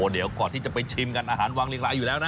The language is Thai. เดี๋ยวก่อนที่จะไปชิมกันอาหารวางเรียงรายอยู่แล้วนะ